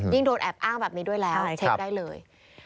โดนแอบอ้างแบบนี้ด้วยแล้วเช็คได้เลย